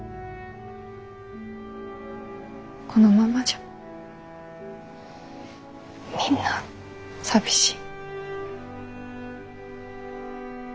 このままじゃみんな寂しい。